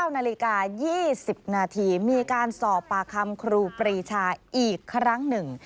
๙นาฬิกา๒๐นาทีมีการสอบปากคำครูปรีชาอีกครั้งหนึ่ง